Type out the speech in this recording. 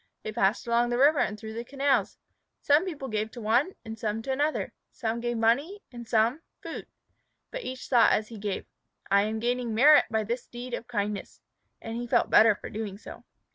They passed along the river and through the canals. Some people gave to one, and some to another; some gave money, and some, food. But each one thought as he gave, "I am gaining merit by this deed of kindness." And he felt better for doing so.